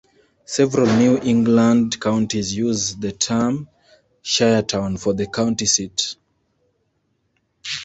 Several New England counties use the term "shire town" for the county seat.